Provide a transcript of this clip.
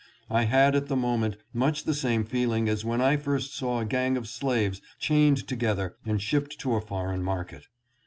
I had at the moment much the same feeling as when I first saw a gang of slaves chained together and shipped to a foreign market.